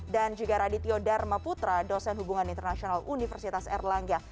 dan juga radityo dharma putra dosen hubungan internasional universitas erlangga